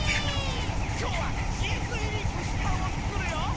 きょうはチーズいりむしパンをつくるよ。